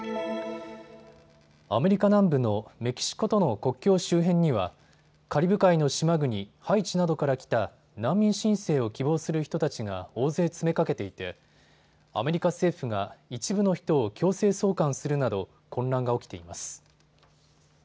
アメリカ南部のメキシコとの国境周辺にはカリブ海の島国、ハイチなどから来た難民申請を希望する人たちが大勢、詰めかけていてアメリカ政府が一部の人を強制送還するなど混乱が起きています。